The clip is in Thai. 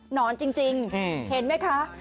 นอนจริงเห็นไหมคะ